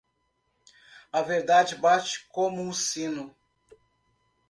A verdade bate como um sino.